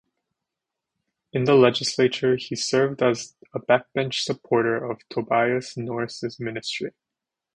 In the legislature, he served as a backbench supporter of Tobias Norris's ministry.